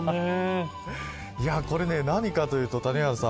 これ、何かというと谷原さん